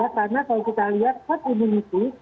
karena kalau kita lihat herd immunity